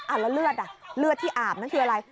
แล้วเลือดอ่ะเลือดที่อาบนั่นคืออะไร